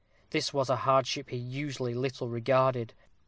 This was a hardship he usually little regarded.